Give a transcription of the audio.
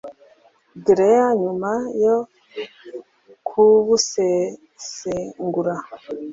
graal nyuma yo kubusesengura